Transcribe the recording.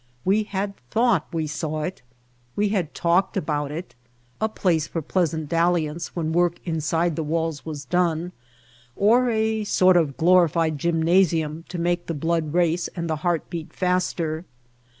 We had thought we saw it, we had talked about it, a place for pleasant dalliance when work in side the walls was done, or a sort of glorified gymnasium to make the blood race and the heart beat faster.